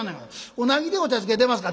「うなぎでお茶漬け出ますか？」。